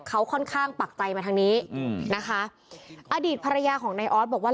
เขาค่อนข้างปักใจมาทางนี้อืมนะคะอดีตภรรยาของนายออสบอกว่า